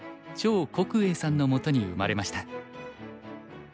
趙国栄さんのもとに生まれました。